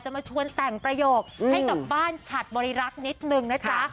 มาชวนแต่งประโยคให้กับบ้านฉัดบริรักษ์นิดนึงนะจ๊ะ